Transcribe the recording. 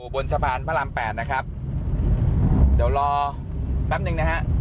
บนสะพานพระราม๘นะครับเดี๋ยวรอแป๊บหนึ่งนะฮะ